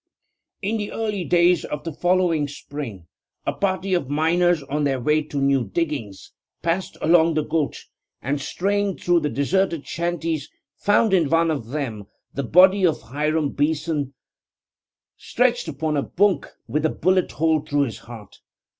In the early days of the following spring a party of miners on their way to new diggings passed along the gulch, and straying through the deserted shanties found in one of them the body of Hiram Beeson, stretched upon a bunk, with a bullet hole through the heart.